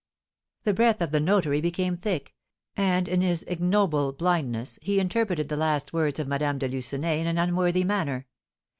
The breath of the notary became thick, and, in his ignoble blindness, he interpreted the last words of Madame de Lucenay in an unworthy manner.